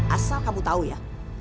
asal kamu tau ya